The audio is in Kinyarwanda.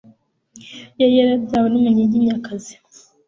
yari yarabyawe n'umunyiginyakazi